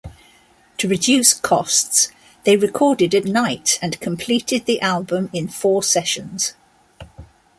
To reduce costs, they recorded at night and completed the album in four sessions.